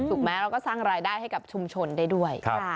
ไหมเราก็สร้างรายได้ให้กับชุมชนได้ด้วย